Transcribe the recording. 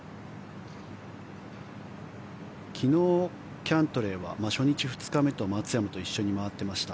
昨日、キャントレーは初日、２日目と松山と一緒に回っていました。